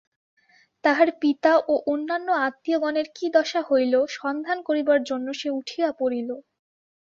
তাহার পিতা ও অন্যান্য আত্মীয়গণের কী দশা হইল সন্ধান করিবার জন্য সে উঠিয়া পড়িল।